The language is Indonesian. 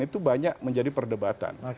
itu banyak menjadi perdebatan